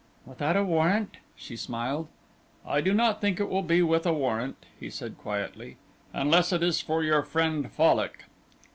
"Without a warrant?" she smiled. "I do not think it will be with a warrant," he said, quietly, "unless it is for your friend Fallock."